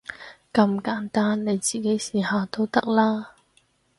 咁簡單，你自己試下都得啦